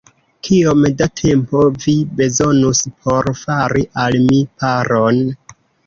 Kiom da tempo vi bezonus por fari al mi paron?